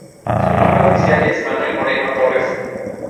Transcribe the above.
Su nombre oficial es Manuel Moreno Torres.